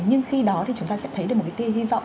nhưng khi đó thì chúng ta sẽ thấy được một cái tia hy vọng